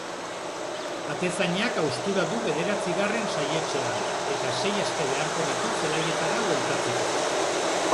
Atezainak haustura du bederatzigarren saihetsean eta sei aste beharko ditu zelaietara bueltatzeko.